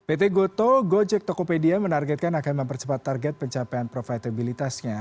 pt goto gojek tokopedia menargetkan akan mempercepat target pencapaian profitabilitasnya